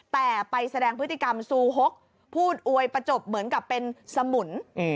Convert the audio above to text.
แต่ไปแสดงพฤติกรรมซูฮกพูดอวยประจบเหมือนกับเป็นสมุน